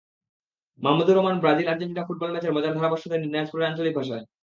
Mahmudur Rahman Brazil Argentina football ম্যাচের মজার ধারাভাষ্য দেন দিনাজপুরের আঞ্চলিক ভাষায়।